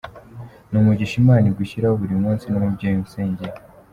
Ni umugisha Imana igushyiraho buri munsi n’umubyeyi unsengera.